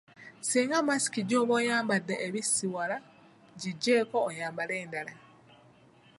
Singa masiki gy’oba oyambadde ebisiwala, giggyeeko oyambale endala.